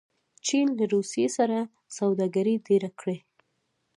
چین له روسیې سره سوداګري ډېره کړې.